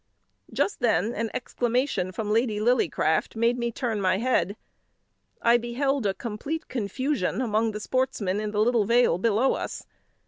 Just then an exclamation from Lady Lillycraft made me turn my head. I beheld a complete confusion among the sportsmen in the little vale below us.